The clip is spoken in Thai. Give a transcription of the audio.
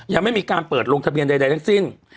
ยังไม่มีการเปิดลงทะเบียนใดทั้งสิ้น